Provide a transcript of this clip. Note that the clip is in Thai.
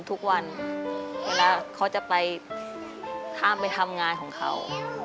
ทุกวันเวลาเขาจะไปห้ามไปทำงานของเขา